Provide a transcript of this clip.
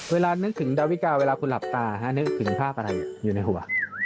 นึกถึงดาวิกาเวลาคุณหลับตานึกถึงภาพอะไรอยู่ในหัว